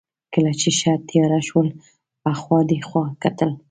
کله چې ښه تېاره شول، اخوا دېخوا کتل.